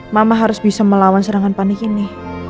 mama harus bisa melawan serangan panik ini